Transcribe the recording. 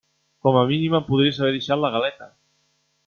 Com a mínim em podries haver deixat la galeta.